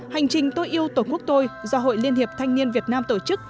hành trình tôi yêu tổ quốc tôi do hội liên hiệp thanh niên việt nam tổ chức